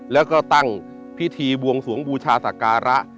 แล้วก็ตั้งพิธีบวงสวงบูชาศักระ